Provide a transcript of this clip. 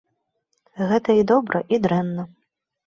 Гэта і добра, і дрэнна.